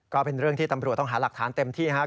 ก็เป็นเรื่องที่ตำรวจต้องหาหลักฐานเต็มที่ครับ